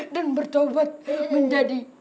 dan bertobat menjadi